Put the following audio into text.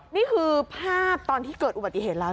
นี่คือภาพตอนที่เกิดอุบัติเหตุแล้ว